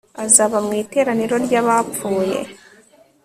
azaba mu iteraniro ry abapfuye